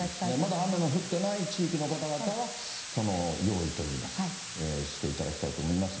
まだ雨の降ってない地域の方々は、用意といいますか、していただきたいと思いますが。